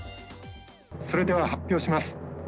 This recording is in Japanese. それでは発表します。